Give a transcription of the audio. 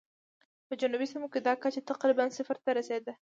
په جنوبي سیمو کې دا کچه تقریباً صفر ته رسېده.